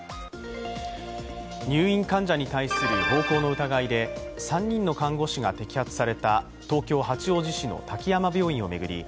入院患者に対する暴行の疑いで３人の看護師が摘発された東京・八王子市の滝山病院を巡り